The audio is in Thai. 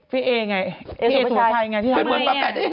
เป็นเหมือนแบบแปลกได้ยังไง